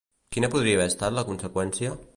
Quina podria haver estat la conseqüència?